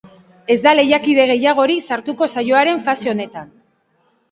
Ez da lehiakide gehiagorik sartuko saioaren fase honetan.